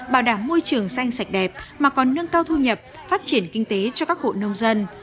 bảo đảm môi trường xanh sạch đẹp mà còn nâng cao thu nhập phát triển kinh tế cho các hộ nông dân